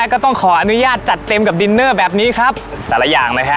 ก็ต้องขออนุญาตจัดเต็มกับดินเนอร์แบบนี้ครับแต่ละอย่างนะฮะ